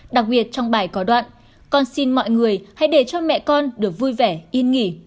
đặc biệt trong bài có đoạn con xin mọi người hãy để cho mẹ con được vui vẻ yên nghỉ